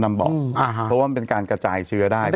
เพราะว่ามันเป็นการกระจายเชื้อได้